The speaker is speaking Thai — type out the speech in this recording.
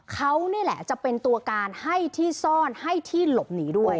เขานี่แหละจะเป็นตัวการให้ที่ซ่อนให้ที่หลบหนีด้วย